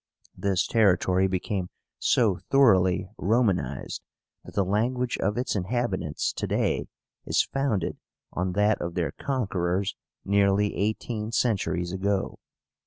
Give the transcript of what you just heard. This territory became so thoroughly Romanized that the language of its inhabitants to day is founded on that of their conquerors nearly eighteen centuries ago.